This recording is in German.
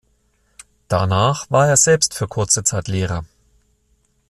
Danach war er selbst für kurze Zeit Lehrer.